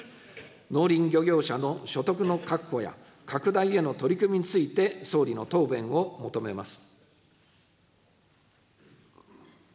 農林漁業者の所得の確保や拡大への取り組みについて総理の答弁を求めます。